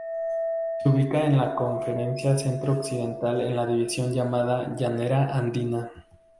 Se ubica en la Conferencia Centro Occidental en la división llamada Llanera Andina.